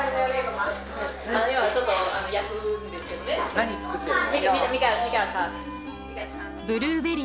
何作ってるの？